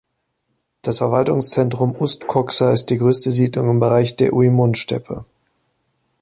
Das Verwaltungszentrum Ust-Koksa ist die größte Siedlung im Bereich der Uimon-Steppe.